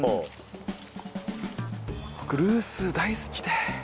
僕ルース大好きで。